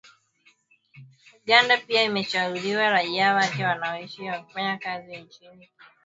Uganda pia imewashauri raia wake wanaoishi na kufanya kazi nchini Kenya kuchukua tahadhari.